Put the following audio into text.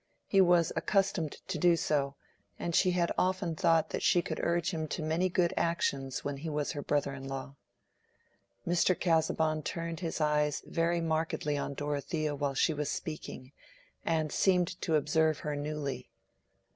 He was accustomed to do so, and she had often thought that she could urge him to many good actions when he was her brother in law. Mr. Casaubon turned his eyes very markedly on Dorothea while she was speaking, and seemed to observe her newly.